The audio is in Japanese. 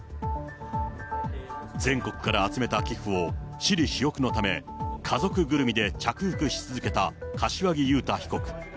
全国から集めた寄付を、私利私欲のため、家族ぐるみで着服し続けた柏木雄太被告。